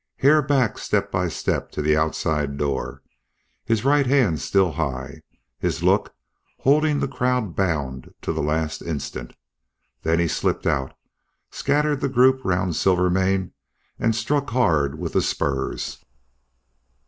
Hare backed step by step to the outside door, his right hand still high, his look holding the crowd bound to the last instant. Then he slipped out, scattered the group round Silvermane, and struck hard with the spurs.